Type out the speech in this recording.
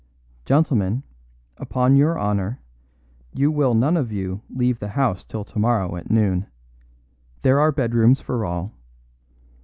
Gentlemen, upon your honour, you will none of you leave the house till tomorrow at noon; there are bedrooms for all.